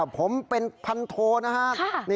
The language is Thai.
ผมเป็นพันโทนะฮะ